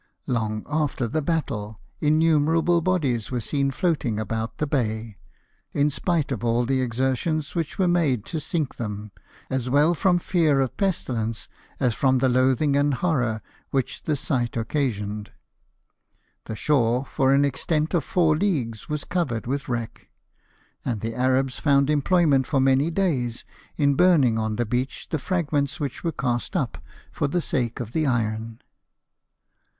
Long after the battle innumerable bodies were seen floating about the bay, in spite of all the exertions which were made to sink them, as well from fear of pestilence as from the loathing and horror which the sight occasioned. The shore, for an extent of four leagues, was covered with wreck ; and the Arabs found employment for many days in burning on the beach the fragments which were cast up, for the sake of the iron.